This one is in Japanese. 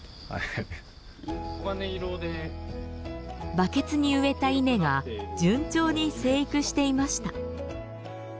バケツに植えた稲が順調に生育していました。